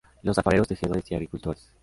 Los Alfareros, Tejedores y Agricultores.